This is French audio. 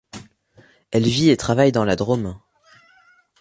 Elle vit et travaille dans la Drôme.